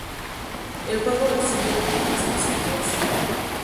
El juego recibió críticas positivas.